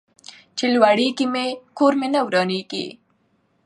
ـ چې لوريږي مې، کور مې نه ورانيږي.